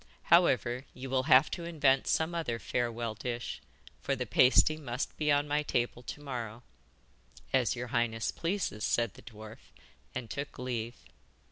However, you will have to invent some other farewell dish, for the pasty must be on my table to morrow.' 'As your highness pleases,' said the dwarf, and took leave.